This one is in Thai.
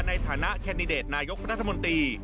ในฐานะแคนดิเดตนายกรัฐมนตรี